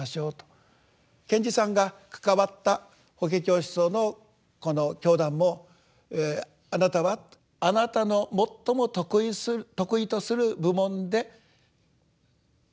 賢治さんが関わった法華経思想のこの教団もあなたはあなたの最も得意とする部門で社会の人たちに施しをする。